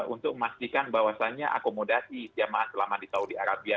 untuk memastikan bahwasannya akomodasi jamaah selama di saudi arabia